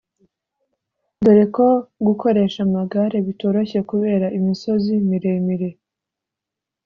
dore ko gukoresha amagare bitoroshye kubera imisozi miremire